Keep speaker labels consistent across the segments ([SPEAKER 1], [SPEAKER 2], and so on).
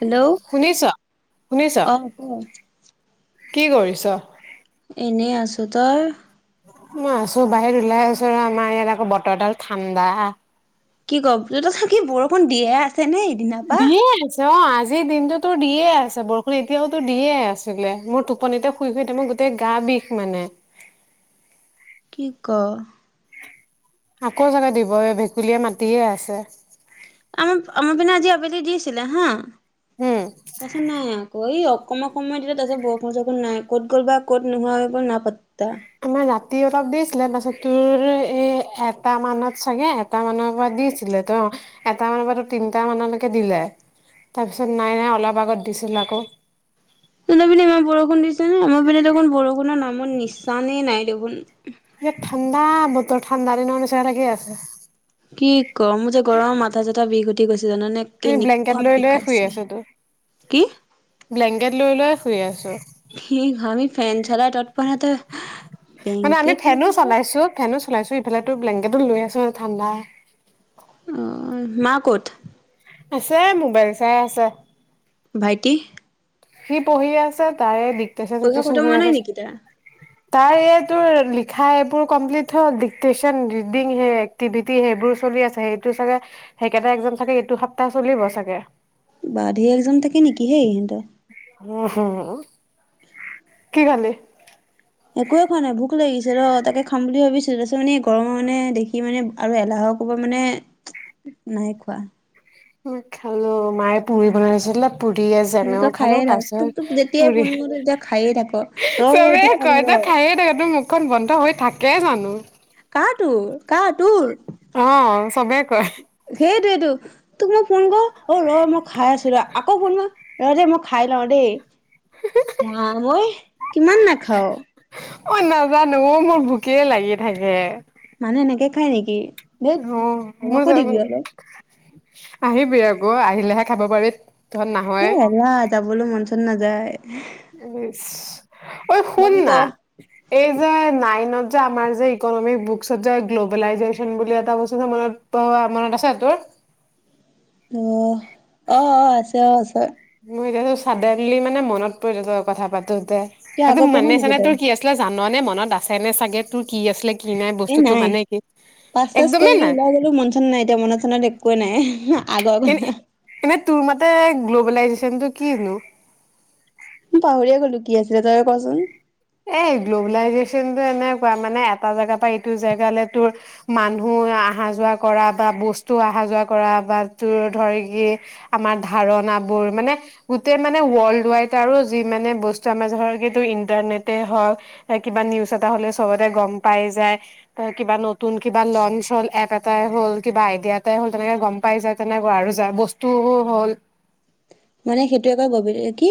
[SPEAKER 1] Hello
[SPEAKER 2] শুনিছ শুনিছ
[SPEAKER 1] অ ক
[SPEAKER 2] কি কৰিছ?
[SPEAKER 1] এনেই আছোঁ তই।
[SPEAKER 2] মই আছোঁ বাহিৰত ওলাই আছোঁ আৰু আমাৰ ইয়াত আকৌ বতৰডাল ঠাণ্ডা।
[SPEAKER 1] কি কম [unintelligible] থাকি বৰষুণ দিয়ে আ
[SPEAKER 2] দিয়ে আছে। অ আজিৰ দিনটোতো দিয়ে আছে বৰষুণ এতিয়াওতো দিয়ে আছিলে মোৰটো পনিতে শুই শুইটো মোৰ গোটেই গা বিষ মানে।
[SPEAKER 1] কি ক'?
[SPEAKER 2] আকৌ চাগে দিবই ভেকুলীয়ে মাতিয়ে আছে।
[SPEAKER 1] আমাৰ আমাৰ পিনে আজি আবেলি দিছিলে হা,
[SPEAKER 2] উম।
[SPEAKER 1] তাৰপিছত নাই আকৌ এই অ'ক সময় সময় দিলে তাৰপিছত বৰষু চৰষুণ নাই ক'ত গ'ল বা ক'ত নোহোৱা হৈ গ'ল নাই পাত্তা।
[SPEAKER 2] আমাৰ ৰাতি অলপ দেছিলে। তাৰপাছত তোৰ এ এটা মানত চাগে। এটা মানৰ পৰা দিছিলে ত এটা মানৰ পৰা তো তিনটা মানলৈকে দিলে। তাৰপিছত নাই নাই অলপ আগত দিছিল‌ আকৌ।
[SPEAKER 1] তহঁতৰ পিনে ইমান বৰষুণ দিছে আমাৰ পিনে দেখোন বৰষুণৰ নামৰ নিচানে নাই দেখোন।
[SPEAKER 2] এ ঠাণ্ডা বতৰ ঠাণ্ডা দিনৰ নিচিনা লাগি আছে।
[SPEAKER 1] কি ক মোৰ যে গৰম মাথা চাথা বিষ উঠি গৈছে জানানে
[SPEAKER 2] আমি ব্লেংকেট
[SPEAKER 1] কেনেকুৱা
[SPEAKER 2] লৈ লৈ শুই
[SPEAKER 1] বিষাইছে।
[SPEAKER 2] আছো তো ব্লেংকেট লৈ লৈয়েই শুই আছো।
[SPEAKER 1] কি আমি ফেন চলাই তৎ পোৱা নাই, ত‌ই।
[SPEAKER 2] মানে আমি ফেনো চলাইছো, ফেনো চলাইছো ইফাল তো ব্লেংকেতো লৈ আছো ঠাণ্ডা।
[SPEAKER 1] উম মা ক'ত।
[SPEAKER 2] আছে মোবাইল চাই আছে।
[SPEAKER 1] ভাইটি।
[SPEAKER 2] সি পঢ়ি আছে তাৰে ডিক্টটেশ্যন
[SPEAKER 1] পৰীক্ষা
[SPEAKER 2] চিক্টেশচন
[SPEAKER 1] খতম
[SPEAKER 2] হৈ
[SPEAKER 1] হোৱা নাই
[SPEAKER 2] আছে।
[SPEAKER 1] নেকি তাৰ?
[SPEAKER 2] তাৰ এই তোৰ লিখা এইবোৰ কমপ্লিট হ'ল, ডিক্টেশচন ৰিডিং হে টিভিটি সেইবোৰ চলি আছে সেইটো চাগে সেইকেইটা এক্সাম চাগে এইটো সপ্তাহ চলিব চাগে।
[SPEAKER 1] বা ধেই এক্সাম থাকে নেকি সেই সিহঁত।
[SPEAKER 2] উম হম কি খালি।
[SPEAKER 1] একোৱে খোৱা নাই ভোক লাগিছে ৰ তাকে খাম বুলি ভাবিছো তাৰপিছত মানে গৰমৰ মানে দেখি মানে। আৰু এলাহৰ কোবত মানে নাই খোৱা।
[SPEAKER 2] খালো মায়ে পুৰি বনাইছিলে। পুৰি য়ে
[SPEAKER 1] মানে
[SPEAKER 2] জেমেও
[SPEAKER 1] তই
[SPEAKER 2] খালো
[SPEAKER 1] খায়ে থাক
[SPEAKER 2] তাৰ
[SPEAKER 1] তোক তোক
[SPEAKER 2] পিছত
[SPEAKER 1] যেতিয়াই
[SPEAKER 2] পুৰি
[SPEAKER 1] ফোন কৰোঁ তেতিয়া খায়ে থাক ৰ ৰ এইটো
[SPEAKER 2] চবেই
[SPEAKER 1] খাম
[SPEAKER 2] কয়
[SPEAKER 1] ৰ।
[SPEAKER 2] তাক খাই থাকে তোৰ মুখখন বন্ধ হৈ থাকে জানো।
[SPEAKER 1] কা তোৰ, কাৰ তোৰ,
[SPEAKER 2] অ চবে কয়
[SPEAKER 1] সেইটো য়ে টো। তোক মই ফোন ক‌ওঁ, অ ৰ মই খাইআছো ৰ, আকৌ ফোন কৰ, ৰ দে মই খাই লওঁ দেই। মাবৈ কিমান নাখাঅ'
[SPEAKER 2] ঐ নাজানো অ' মোৰ ভোকে লাগি থাকে।
[SPEAKER 1] মানুহে এনেকে খায় নেকি। ধেইত
[SPEAKER 2] অ মোৰ
[SPEAKER 1] আমাকো দিবি অলপ।
[SPEAKER 2] আহিবি আকৌ আহিলেহে খাব পাৰি তহঁত নাহয়
[SPEAKER 1] কিবা এহেলা যাবলৈ মন চন নাযায়।
[SPEAKER 2] ইচ ঐ শুন
[SPEAKER 1] বাকী ক
[SPEAKER 2] না?
[SPEAKER 1] অ
[SPEAKER 2] এই যে নাইনত যে আমাৰ যে ইকনমিক্স বুকচত যে গ্ল'বেলাইজেশ্যন বুলি এটা বস্তু যে মনত পঢ়োৱা মনত আছে তোৰ।
[SPEAKER 1] ‌উহ, অ', অ' আছে, আছে।
[SPEAKER 2] মোৰ এতিয়া চডেনলি মানে মনত পৰি গৈছে কথা পাতোতে।
[SPEAKER 1] কিয়
[SPEAKER 2] সেই টো
[SPEAKER 1] আগৰ পঢ়
[SPEAKER 2] মানে
[SPEAKER 1] নেকি
[SPEAKER 2] চানে
[SPEAKER 1] তই
[SPEAKER 2] তোৰ কি আছে। ত‌ই জাননে মনত আছে নে চাগে তোৰ কি আছিলে কি নাই বস্তুতটো মানে কি,
[SPEAKER 1] পাছ চাছ
[SPEAKER 2] একদমেই
[SPEAKER 1] কৰিলো
[SPEAKER 2] নাই।
[SPEAKER 1] ওলাই গলো মন নাই এতিয়া মনত চনত একোৱে নাই আগৰ কথা।
[SPEAKER 2] এনেই তোৰ মতে গ্ল'বেলাইজেশ্যন টো কি নো?
[SPEAKER 1] পাহৰিয়ে গ'লো কি আছিলে, তইয়ে কচোন?
[SPEAKER 2] এই গ্ল'বেলাইজেশ্যনটো এনেকুৱা মানে এটা জেগাৰ পৰা এইটো জেগালৈ তোৰ মানুহ আহা যোৱা কৰা বা, বস্তু আহা যোৱা কৰা, বা তোৰ ধৰি কি আমাৰ ধাৰণা বোৰ মানে গোটেই মানে ৱৰ্ল্ড ওৱাইড আৰু যি মানে বস্তু আমাৰ ধৰ ইণ্টাৰনেট টে হওঁক কিবা নিউজ এটা হ'লে চবতে গ'ম পাই যায়। ত কিবা নতুন কিবা লঞ্চ হ'ল এপ এটাই হ'ল কিবা আইডিয়া এটাই হ'ল তেনেকে গ'ম পাই যায় তেনেকা আৰু, যাযৰ বস্তুও হ'ল।
[SPEAKER 1] মানে সেইটো কয় ববলী কি?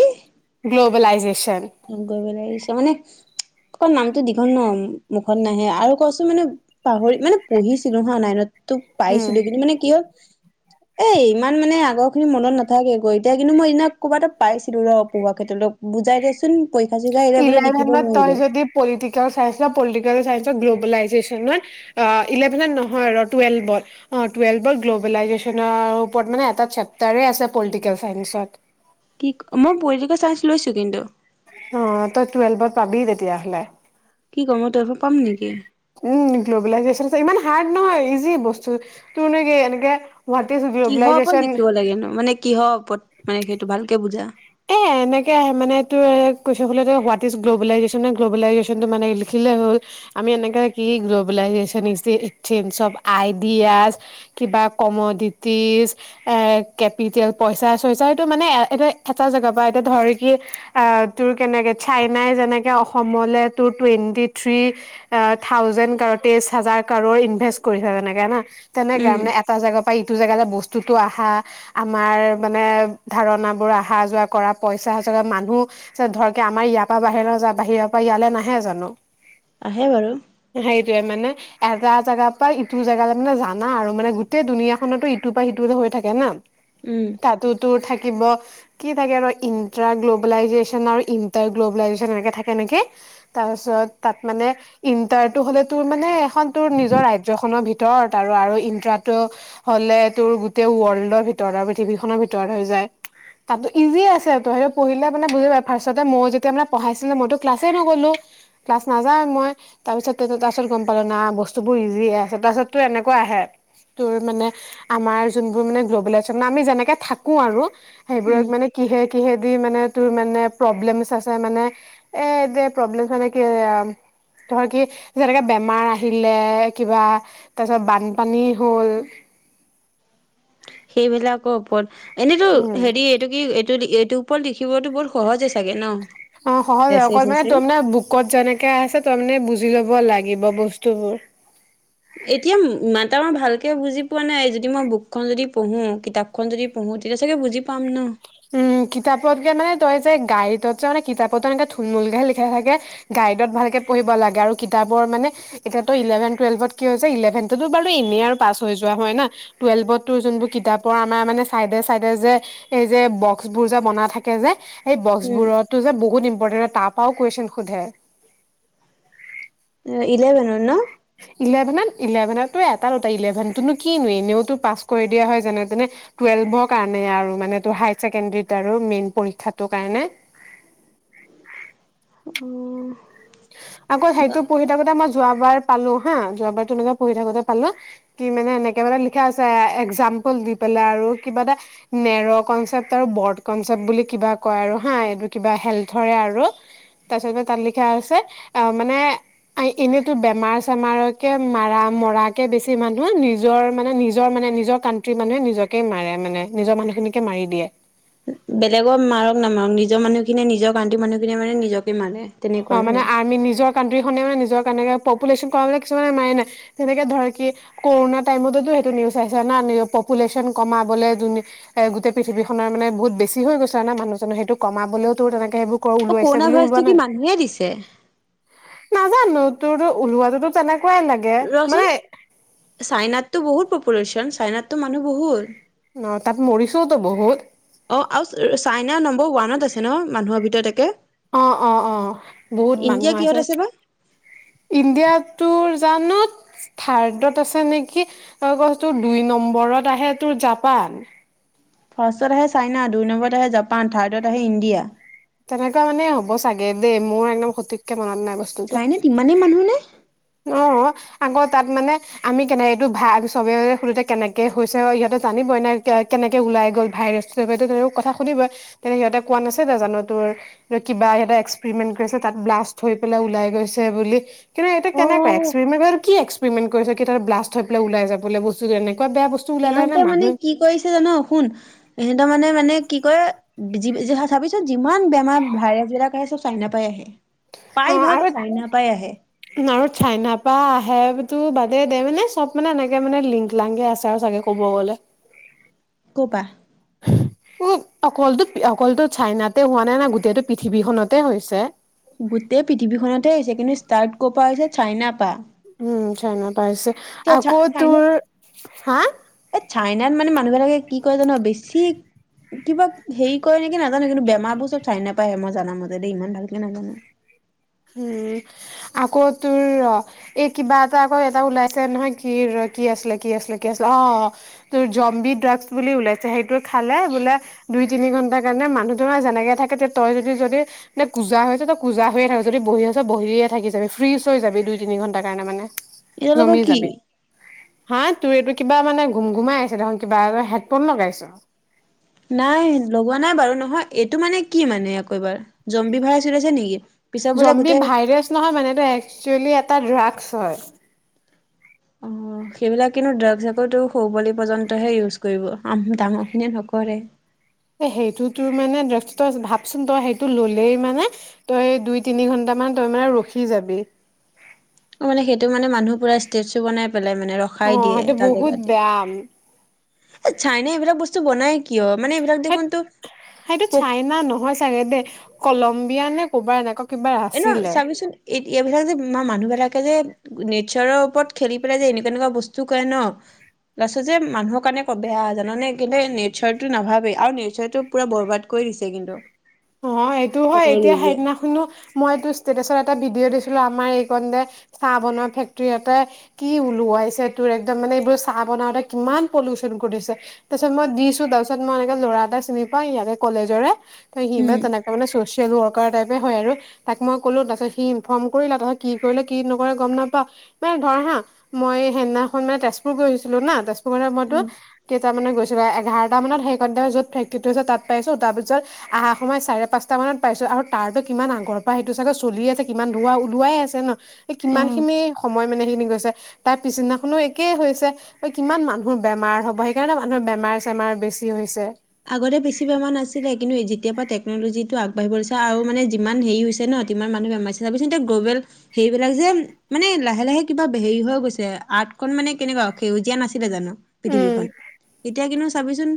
[SPEAKER 2] গ্ল'বলাইজেশ্যন।
[SPEAKER 1] গ্ল'বলাইজেশ্যন মানে অকন নামটো দীঘল ন? মুখত নাহে, আৰু ক'ছো মানে পাহৰি মানে পঢ়িছিলোঁ হা' নাইনত তো
[SPEAKER 2] উম।
[SPEAKER 1] পাইছিলো, কিন্তু মানে কি হ'ল এই, ইমান মানে আগৰ খিনি মনত নাথাকে গৈ, এতিয়া কিন্তু মই সিদিনা ক'ৰবা এটাত পাইছিলো ৰ' পঢ়োৱা ক্ষেত্ৰলৈ বুজাই দেয়চোন, পৰীক্ষা চৰীক্ষাত আহিলে বোলে লিখিব
[SPEAKER 2] ইলেভেনত তই
[SPEAKER 1] নোৱাৰিব?
[SPEAKER 2] যদি পলিটিকেল চাইঞ্চ ল, পলিটিকেল চাইঞ্চৰ গ্ল'বেলাইজেশ্যনত অ' ইলেভেনত নহয় ৰ' টুৱেল্ভত। অ', টুৱেল্ভৰ গ্ল'বেলাইজেশ্যনৰ ওপৰত মানে, এটা চেপ্টাৰেই আছে পলিটিকেল চাইন্সত।
[SPEAKER 1] কিক, মই পলিটিকেল চাইন্স লৈছোঁ কিন্তু।
[SPEAKER 2] অ' তই টুৱেল্ভত পাবি তেতিয়া হ'লে।
[SPEAKER 1] কি কম মই, টুৱেল্ভত পাম নেকি?
[SPEAKER 2] উম, গ্ল'বেলাইজেশ্যনটো ইমান হাৰ্ড নহয়, ইজি বস্তু, তোৰ মানে কি এনেকে হোৱাট ইজ গি
[SPEAKER 1] কিহৰ ওপৰত লিখিব লাগেনো? মানে কিহৰ ওপৰত মানে সেইটো ভালকে বুজা।
[SPEAKER 2] এয়াই। এনেকে আহে মানে, টো এ কুৱেশ্যন সুধিলে তোক এই, হোৱাট ইজ গ্ল'বেলাইজেশ্যন? গ্লবেলাইজেশ্যনটো মানে লিখিলে দিলে হ'ল। আমি এনেকে কি? Globalisation is a change of ideas কিবা ক'মোডিটিজ, এ কেপিটেল পইচা-চইচা এইটো মানে এ এটা এটা জেগা পৰা এতিয়া ধৰ, কি আ তোৰ কেনেকে চাইনাই যেনেকে অসমলে তোৰ টুৱেণ্টিত থ্ৰী থাউজেণ্ড ক'ৰৰ তেইশ হাজাৰ ক'ৰৰ ইনভেষ্ট কৰিছে যেনেকে না'? তেনেকে
[SPEAKER 1] উম
[SPEAKER 2] মানে এট এটা জেগাৰ পৰা ইটো জেগালে বস্তুটো আহা, আমাৰ মানে ধাৰণাবোৰ আ আহা-যোৱা কৰা পইচা আচলতে মানুহ ধৰ কি আমাৰ ইয়াৰ পৰা বাহিৰলে যোৱা, বাহিৰৰ পৰা ইয়ালে নাহে জানো?
[SPEAKER 1] আহে বাৰু।
[SPEAKER 2] সেইটোৱেই মানে এটা জেগাৰ পৰা, ইটো জেগালে মানে জানা আৰু মানে, গোটেই দুুনীয়া খনতো ইটোৰ পৰা সিটো টো হৈ থাকে না?
[SPEAKER 1] উম।
[SPEAKER 2] তাতো তোৰ থাকিব কি থাকে বা? ইন্ট্ৰা গ্ল'বেলাইজেশ্যন আৰু ইণ্টাৰ গ্ল'বেলাইজেশ্যন এনেকে থাকে নেকি? তাৰপিছত তাত মানে ইণ্টাৰটো হ'লে তুৰ মানে, এখন তুৰ নিজৰ ৰাজ্যখনৰ ভিতৰত আৰু আৰু ইণ্টাৰটো হ'লে তুৰ, গোটেই ৱৰ্ল্ডৰ ভিতৰত আৰু পৃথিৱীখনৰ ভিতৰত হৈ যায়। তাতো ইজি আছে তুৰ, হেইটো পঢ়িলে মানে বুজি পাবি। ফাৰ্ষ্টতে মও যেতিয়া মানে পঢ়াইছিলে, মইতো ক্লাছেই নগ'লো। ক্লাছ নাযাওঁৱে মই। তাৰপিছত তাৰপিছত তাৰপিছত গ'ম পালোঁ, না বস্তুবোৰ ইজি আছে। তাৰপিছত টো এনেকুৱা আহে তোৰ, মানে আমাৰ যোনবোৰ মানে গ্ল'বেলাইজেশ্যন, আমি যেনেকে থাকোঁ আৰু
[SPEAKER 1] উম
[SPEAKER 2] সেইবোৰক মানে কিহে কিহেদি মানে, তোৰ মানে প্ৰব্লেমছ আছে মানে এ, এটোৱে, প্ৰব্লেমছ এনেকেই আউ ধৰ কি, যেনেকে বেমাৰ আহিলে কিবা তাৰপিছত বানপানী হ'ল
[SPEAKER 1] সেইভিলাকৰ ওপৰত এনেইতো
[SPEAKER 2] উম
[SPEAKER 1] হেৰি এইটো কি? এইটো লি, এইটোৰ ওপৰত লিখিবতো বহুত সহজে চাগে ন?
[SPEAKER 2] অ, সহজে,
[SPEAKER 1] এছে
[SPEAKER 2] অকল মানে
[SPEAKER 1] চেছে
[SPEAKER 2] তই মানে বুকত যেনেকে আছে, তই মানে বুজি ল'ব লাগিব বস্তুবোৰ।
[SPEAKER 1] এতিয়া ম ইমানটা মই ভালকে বুজি পোৱা নাই, যদি মই বুকখন যদি পঢ়ো, কিতাপ খন যদি পঢ়ো, তেতিয়া চাগে বুজি পাম ন?
[SPEAKER 2] উম, কিতাপতকে মানে তই যে গাইডত যে, মানে কিতাপত টো এনেকে থুলমুলকেহে লিখা থাকে। গাইডত ভালকে পঢ়িব লাগে, আৰু কিতাপৰ মানে এতিয়াাতো ইলেভেন টুৱেলভত কি হৈছে ইলেভেনতো বাৰু এনেই আৰু পাছ হৈ যোৱা হয় না। টুৱেলভ যোনবোৰ কিতাপৰ আমাৰ মানে চাইডে চাইডে যে। যে বক্স বোৰ যে বনাই থাকে, যে সেই বক্স
[SPEAKER 1] উম,
[SPEAKER 2] বোৰত। তটো বহুত ইম্পৰ্টেণ্ট তাৰ পৰাও কুৱেশ্যন হুধে
[SPEAKER 1] ইলেভেনৰ ন।
[SPEAKER 2] ইলেভেনত ইলেভেনতো, এটাত দুটা ইলেভেনতনো কিনোৱ এনেওতো পাছ কৰি দিয়া হয় যেনে তেনে। টুৱেল্ভৰ কাৰণে আৰু মানে ত হায়, চছেকেণ্ডৰীত আৰু মেইন পৰীক্ষাটো কাৰণে?
[SPEAKER 1] অ,
[SPEAKER 2] আকৌ সেইটো পঢ়ি থাকোতে মই যোৱাবাৰ, পালো হা যোৱাবাৰ তেনেকুৱা পঢ়ি থাকোতে পালো। কি মানে এনেকে মটা লিখা আছে একজাম্পল দি পেলাই আৰু কিবা এটা! নেৰ' কনচেপট আৰু বৰ্ড কনচেপট বুলি কিবা, কয় আৰু হা এইটো কিবা হেলথৰে আৰু। তাৰ পিছত তাত লিখা আছে অ মানে? আ এনেইতো বেমাৰ চেমাৰকে মাৰা মৰাকে বেছি মানুহ নিজৰ মানে নিজৰ মানে নিজৰ। কানণ্ট্ৰ মানুহে নিজকে মাৰে মানে নিজৰ মানুহখিনিকে মাৰি দিয়ে।
[SPEAKER 1] বেলেগৰ মাৰক নামাৰক নিজৰ মানুহখিনিয়ে নিজৰ কান্তিৰ মানুহখিনিয়ে মানে, নিজকে মাৰে।
[SPEAKER 2] অ মানে আৰ্মি নিজৰ কাণ্ট্ৰিখনে মানে নিজৰ কাৰনে পপুলেশ্যন কৰা কিছুমানে মাৰে নাই? তেনেকে ধৰ কি কৰোনা টাইমততো সেইটো নিউজাইছে ন পুলেশচন কমাবলে য। এ গোটেই পৃথিৱীখনৰ মানে বহুত বেছি হৈ গৈছে ন মানুহজনৰ সেইটো কমাবলেও তোৰ তেনেকে সেইবোৰ। ক ওলাইছে বুলিও ওলোৱা নাই?
[SPEAKER 1] কোনে দিছে।
[SPEAKER 2] নাজানো তোৰতো ওলোৱা টোতো তেনেকুৱাই লাগে। মানে
[SPEAKER 1] ৰচোন চাইনাততো বহুত পপুলেশ্যন চাইনাততো মানুহ বহুত।।
[SPEAKER 2] অ', তাত মৰিছোওতো বহুত।
[SPEAKER 1] অ', আৰু চাইনা নম্বৰ ওৱানত আছে ন', মানুহৰ ভিতৰত একে?
[SPEAKER 2] অ', অ', অ', বহুত
[SPEAKER 1] ইণ্ডিয়া
[SPEAKER 2] মানুহ
[SPEAKER 1] কিহত
[SPEAKER 2] আছে।
[SPEAKER 1] বা?
[SPEAKER 2] ইণ্ডিয়াটো জানোত। থাৰ্ডত আছে নেকি, ক তোৰ দুই নম্বৰত, আহে তোৰ জাপান।
[SPEAKER 1] ফাৰ্ষ্টত আহে চাইনা, দুই নম্বৰত আহে জাপান, থাৰ্ডত আহে ইণ্ডিয়া।
[SPEAKER 2] তেনেকুৱা মানে হ'ব চাগে দেই, মোৰ একদম সঠিক কে মনত নাই বস্তু।
[SPEAKER 1] চাইনাত ইমানেই মানুহ নে?
[SPEAKER 2] অ'। আকৌ তাত মানে আমি কেনেকে এইটো ভা, চবে সোধোতে কেনেকে হৈছে, ইহতে জানিবই নাই কেনেকে ওলাই গ'ল ভাইৰেটো তেনে কথা শুনিবই, তেনে সিহঁতে কোৱা নাচিলে জানো তোৰ কিবা এটা এক্সপেৰিমেন্ট কৰিছে, তাত ব্লাষ্ট হৈ পেলাই ওলাই গৈছে বুলি, কিন্তু
[SPEAKER 1] অ
[SPEAKER 2] তেনেকোৱাই, এক্সেৰিমেট কৰিছ, সেইটো কি এক্সেৰিমেট কৰিছে তহঁতৰ ব্লষ্ট হৈ পেলাই ওাই যাবলে বস্তুটো এনেকুৱা বেয়া বস্তু ওলালে নে
[SPEAKER 1] ইহঁতে মানে
[SPEAKER 2] মানুহে
[SPEAKER 1] কি কৰিছে জান শুন, ইহঁতেৰ মানে-মানে কি কৰে [unintelligible] চাবি চুন, যিমান বেমাৰ ভাইৰাছ বিলাক আহে, চব চাইনাৰ পাই আহে। পাই
[SPEAKER 2] অ'
[SPEAKER 1] ভাগ
[SPEAKER 2] আৰু
[SPEAKER 1] চাইনা পাই আহে।
[SPEAKER 2] আৰু চাইন পা আহেতো বাদেই দে, মানে চব মানে এনেকে মানে লিংক, লাংকে আছে আৰু চাগে‌ ক'ব গ'লে।
[SPEAKER 1] কপা?
[SPEAKER 2] উ, অকলতো, অকলতো চাইনাতে হোৱা নাই না, গোটেইটো পৃথিৱীখনতে হৈছে।
[SPEAKER 1] গোটেই পৃথিৱীখনতহে আহিছে, কিন্তু ষ্টাৰ্ট ক' পৰা হৈছে, চাইনা পা।
[SPEAKER 2] উম, চাইনা পা আহিছে।
[SPEAKER 1] কিয় চাইনে
[SPEAKER 2] হা
[SPEAKER 1] [unintelligible] এই চাইনাত মানে মানুহবিলাকে কি কৰে জান, বেছি কিবা হেৰি কৰে নেকি নাজানোঁ, কিন্তু বেমাৰ বোৰ চব চাইনা পাই আহে, মই জানা মতে, দেই ইমান ভালকে নাজানোঁ।
[SPEAKER 2] উম, আকৌ তোৰ‌ ৰ এ কিবা এটা আকৌ এটা ওলাইছে নহয়, কি ৰ', কি আছিলে, কি আছিলে, কি আছিলে, অ' তোৰ জম্বি ড্ৰাগছ বুলি ওলাইছে, সেইটো খালে বোলে দুই তিনি ঘণ্টাৰ কাৰণে, মানুহতো নহয় যেনেকে থাকে, তে তই যদি-যদি নে কোঁজা হৈ আছ তই কোঁজা হৈয়ে থাক। যদি বহি আছ, বহিয়ে থাকি যাবি, ফ্ৰিজ হৈ যাবি, দুই তিনি ঘন্টাৰ কাৰণে মানে,
[SPEAKER 1] এতিয়ালোকৰ
[SPEAKER 2] জমি
[SPEAKER 1] কি?
[SPEAKER 2] যাবি। হা তোৰ এইটো কিবা মানে গুম-গুমাই আছে, দেখোন কিবা, হেডফোন লগাইছ?
[SPEAKER 1] নাই লগোৱা নাই বাৰু, নহয় এইটো মানে কি মানে আকৌ এবাৰ, জম্বি ভাইৰাছ ওলাইছে নেকি? পিছত বোলে
[SPEAKER 2] জম্বি
[SPEAKER 1] গোটেই
[SPEAKER 2] ভাইৰাছ নহয় মানে এইটো একচুৱেলি এটা ড্ৰাগছ হয়।
[SPEAKER 1] অ
[SPEAKER 2] [inaudible]
[SPEAKER 1] সেইবিলাক কিন্তু ড্ৰাগছ আকৌ তোৰ সৰু পোৱালী পৰ্যন্তহে ইউজ কৰিব, আম, ডাঙৰ খিনিয়ে নকৰে।
[SPEAKER 2] এ সেইটো তোৰ মানে ড্ৰাগছ তই ভাবচোন তই সেইটো ল'লেই মানে তই দুই তিনি ঘন্টা মান তই মানে ৰখি যাবি।
[SPEAKER 1] অ', মানে, সেইটো মানে মানুহ পুৰা ষ্টেটো বনাই পেলাই, মানে
[SPEAKER 2] অ
[SPEAKER 1] ৰখাই দিয়ে
[SPEAKER 2] সেইটো
[SPEAKER 1] এটা
[SPEAKER 2] বহুত
[SPEAKER 1] জেগাতে।
[SPEAKER 2] বেয়া
[SPEAKER 1] এ চাইনাই এইবিলাক বস্তু বনাই কিয়, মানে এইবিলাক দেখোন তো
[SPEAKER 2] নাই নহয় চাগে দে, কলম্বিয়া নে ক'বা এনেকুৱা কিবা
[SPEAKER 1] এনেও
[SPEAKER 2] আছিলে
[SPEAKER 1] চাবিচোন এইবিলাক যে মানুহ বিলাকে যে নেচাৰৰ ওপৰত খেলি পেলাই যে, এনেকুৱা-এনেকুৱা বস্তু কৰে ন'। পাছত যে, মানুহৰ কাৰণে ক বেয়া, জান নে, কিন্তু এই নেশ্চাৰটো নাভাবেই আৰু নেশ্চাৰটো পুৰা বৰবাদ কৰি দিছে কিন্তু।
[SPEAKER 2] অ এইটো হয় এতিয়া
[SPEAKER 1] টেকনলজিয়ে
[SPEAKER 2] সেইদিনাখনো মই এইটো ষ্টেটাচৰ এটা ভিডিঅ' দিছিলো আমাৰ এইকনতে চাহ বনোৱা ফেক্টৰী এটাই কি ওলোৱাইছে তোৰ একদম মানে এইবোৰ চাহ বনাওতে কিমান পলিউচন কৰিছে। তাৰ পিছত মই দিছো তাৰপিছত মই এনেকে ল'ৰা এটা চিনি পাওঁ ইয়াৰে কলেজৰে ত সি মানে
[SPEAKER 1] উম
[SPEAKER 2] তেনেকে তাৰ মানে ছ'চিয়েল ৱৰ্কাৰ টাইপে হয় আৰু তাক মই ক'লো তাৰপিছত সি ইনফৰ্ম কৰিলে তাৰপিছত কি কৰিলে কি নকৰিলে গম নাপাওঁ। মানে ধৰ হা মই সেদিনাখন মানে তেজপুৰ গৈছিলো না তেজপুৰলৈ মইতো
[SPEAKER 1] উম
[SPEAKER 2] কেইটামানত গৈছিলো আ এঘাৰটা মানত সেই কনতে য'ত ফেক্টৰিটো আছে তাত পাইছো তাৰ পিছত আঁহা সময়ত চাৰে পাঁচটা মানত পাইছো আৰু তাৰতো কিমান আগৰ পৰা সেইটো চাগে চলি আছে কিমান ধোৱা ওলোৱাই আছে ন কিমান
[SPEAKER 1] অ
[SPEAKER 2] খিনি সময় মানে সেইখিনি গৈছে তাৰ পিছদিনাখনো একেই হৈছে কিমান মানুহৰ বেমাৰ হ'ব সেইকাৰণে মানুহৰ বেমাৰ-চেমাৰ বেছি হৈছে।
[SPEAKER 1] আগতে বেছি বেমাৰ নাছিলে কিন্তু যেতিয়াৰ পৰা টেকন'লজিটো আগবাঢ়িব লৈছে আৰু মানে যিমান হেৰি হৈছে ন ইমান মানুহ বেমাৰ হৈছে চাবিচোন এতিয়া গ্লবেল হেইবিলাক যে মানে লাহে লাহে কিবা হেৰি হৈ গৈছে আৰ্থখন মানে কেনেকুৱা সেউজীয়া নাছিলে জানো।
[SPEAKER 2] উম
[SPEAKER 1] পৃথিৱীখন। এতিয়া কিন্তু চাবিচোন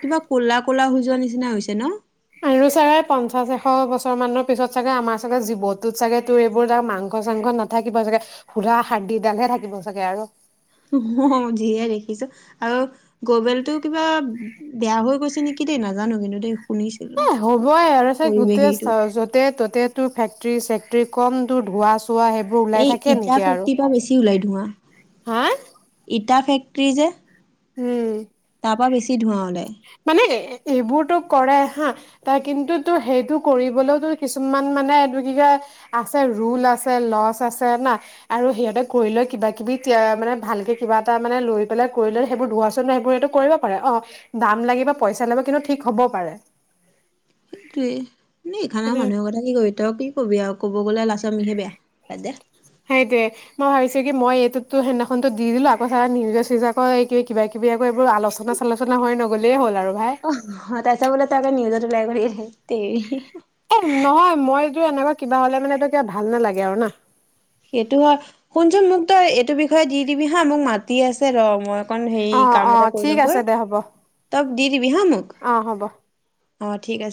[SPEAKER 1] কিবা ক'লা ক'লা হৈ যোৱা নিচিনা হৈছে ন।
[SPEAKER 2] আৰু ছাগে পঞ্চাশ এশ বছৰ মানৰ পিছত চাগে আমাৰ চাগে জীৱতোত চাগে তোৰ এইবোৰ তাৰ মাংস-চাংস নাথাকিব থাকিব চাগে খোদা হাড্ডিডালহে থাকিব চাগে আৰু
[SPEAKER 1] অহ যিহে দেখিছো আৰু গবেলটো কিবা বেয়া হৈ গৈছে নেকি দেই নাজানো কিন্তু দেই শুনিছিলো।
[SPEAKER 2] এ হ'বই আৰু চা
[SPEAKER 1] পৰিৱেশ
[SPEAKER 2] গোটেই
[SPEAKER 1] হেৰিটো
[SPEAKER 2] য'তে ত'তে তোৰ ফেক্টি-চেক্টিৰ কম তোৰ ধোৱা চোৱা ওলাই
[SPEAKER 1] এই
[SPEAKER 2] থাকে
[SPEAKER 1] ইটা
[SPEAKER 2] নেকি আৰু
[SPEAKER 1] ফেক্টৰীৰ পৰা বেছি ওলাই ধোৱা।
[SPEAKER 2] হা
[SPEAKER 1] ইটা ফেক্টৰী যে।
[SPEAKER 2] উম
[SPEAKER 1] তাৰ পা বেছি ধোৱা ওলাই।
[SPEAKER 2] মানে এইবোৰতো কৰে হা। তাৰ কিন্তু তোৰ সেইটো কৰিবলৈও তোৰ কিছুমান মানে এইটো কি কয় আছে ৰুল আছে, লৱজ আছে না। আৰু সিহঁতে কৰি লৈ কিবা কিবি মানে ভালকে কিবা এটা মানে লৈ পেলাই কৰি লৈ সেইবোৰ ধোৱা চোৱা ন সেইবোৰ কৰিব অ', দাম লাগিব, পইচা লাগিব কিন্তু ঠিক হ'ব পাৰে।
[SPEAKER 1] এইটোৱে, এই আমাৰ মানুহৰ গ'লে কি কবি, তই কি কবি আৰু, ক'ব গ'লে লাষ্টত আমিহে বেয়া। বাদ দে,
[SPEAKER 2] সেইটোয়ে, মই ভাবিছোঁ কি মই এইটোতো সেইদিনাখনো দি দিলোঁ আকৌ চাগে নিউজে- চিউজে কয় কি কিবা সেই বিলাক আকৌ এইবোৰ আলোচনা চালোচনা হৈ নগ'লেই হ'ল আৰু ভাই
[SPEAKER 1] হয় তাৰপিছত বোলে তাহঁতে নিউজত ওলাই গ'ল ধেৎ তেৰি,
[SPEAKER 2] এ, নহয় মইটো এনেকুৱা কিবা হ'লে মানে তেতিয়া ভাল নালাগে আৰু না?
[SPEAKER 1] সেইটো হয়। শুনচোন মোক তই এইটো বিষয়ে দি দিবি হা মোক মাতি আছে ৰ মই অকণ হেই
[SPEAKER 2] অ
[SPEAKER 1] কাম
[SPEAKER 2] অ
[SPEAKER 1] এটা কৰি
[SPEAKER 2] ঠিক
[SPEAKER 1] লওঁগৈ।
[SPEAKER 2] আছে দে হ'ব
[SPEAKER 1] তই দি দিবি হা মোক
[SPEAKER 2] অ হ'ব
[SPEAKER 1] অ', ঠিক আছে।